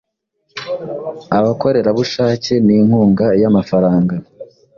Abakorerabushake ninkunga yamafaranga